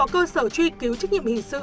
cơ sở truy cứu trách nhiệm hình sự